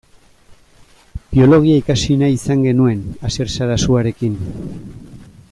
Biologia ikasi nahi izan genuen Asier Sarasuarekin.